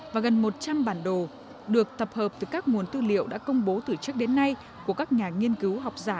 và gần một trăm linh bản đồ được tập hợp từ các nguồn tư liệu đã công bố từ trước đến nay của các nhà nghiên cứu học giả